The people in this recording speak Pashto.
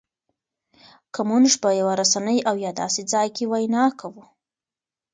که مونږ په یوه رسنۍ او یا داسې ځای کې وینا کوو